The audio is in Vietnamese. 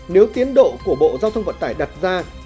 nếu tiến độ của bộ giao thông vận tải đặt ra